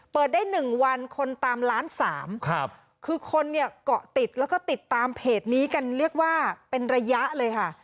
ได้หนึ่งวันคนตามล้านสามครับคือคนเนี่ยเกาะติดแล้วก็ติดตามเพจนี้กันเรียกว่าเป็นระยะเลยค่ะ